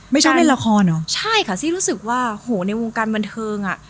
ไม่ชอบเล่นละครเหรอใช่ค่ะซี่รู้สึกว่าโหในวงการบันเทิงอ่ะ